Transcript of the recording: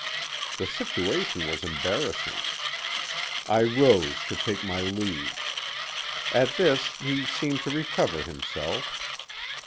The situation was embarrassing; I rose to take my leave. At this he seemed to recover himself.